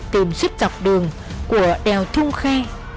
tìm xuất dọc đường của đèo thung khe